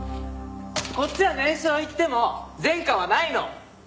こっちは年少行っても前科はないの。